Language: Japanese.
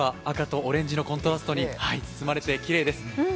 赤とオレンジのコントラストに包まれて、きれいです。